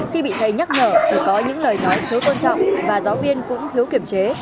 khi bị thầy nhắc nhở thì có những lời nói thiếu tôn trọng và giáo viên cũng thiếu kiểm chế